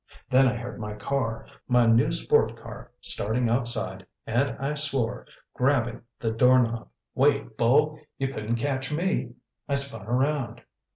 Then I heard my car, my new sport car, starting outside and I swore, grabbing the doorknob. "Wait, Bull. You couldn't catch me." I spun around.